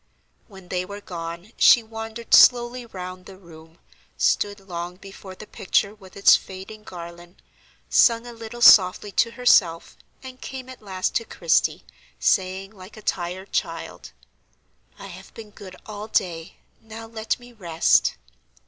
When they were gone she wandered slowly round the room, stood long before the picture with its fading garland, sung a little softly to herself, and came at last to Christie, saying, like a tired child: "I have been good all day; now let me rest."